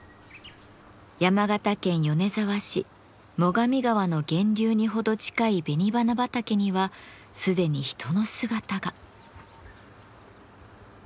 山形県米沢市最上川の源流に程近い紅花畑には既に人の姿が。